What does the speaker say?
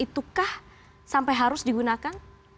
itukah sampai harus digunakan